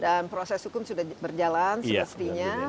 dan proses hukum sudah berjalan sebetulnya